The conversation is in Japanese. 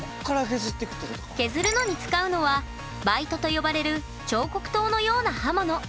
削るのに使うのは「バイト」と呼ばれる彫刻刀のような刃物。